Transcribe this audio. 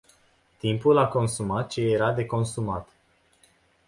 Timpul a consumat ce era de consumat.